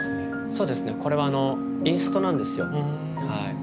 そうですね、これはインストなんですよ。